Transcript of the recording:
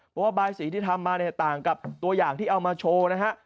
เพราะว่าบายสีที่ทำมาเนี่ยต่างกับตัวอย่างที่เอามาโชว์นะฮะ